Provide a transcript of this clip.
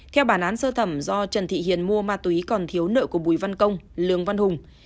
theo bản án sơ thẩm do trần thị hiền mua ma túy còn thiếu nợ của bùi văn công lường văn hùng